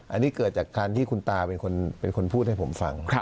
อันนี้เกิดจากการที่คุณตาเป็นคนพูดให้ผมฟัง